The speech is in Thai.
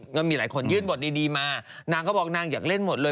ก็มีหลายคนยื่นบทดีมานางก็บอกนางอยากเล่นหมดเลย